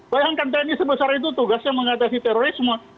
bayangkan tni sebesar itu tugasnya mengatasi terorisme